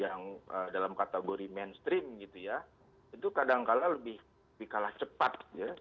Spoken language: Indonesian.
yang dalam kategori mainstream itu kadang kadang lebih kalah cepat